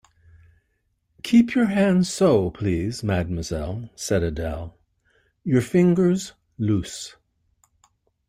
"Keep your hands so, please, mademoiselle," said Adele; "your fingers loose."